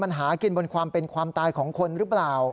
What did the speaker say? มันหากินบนความเป็นความตายของคนหรือเปล่า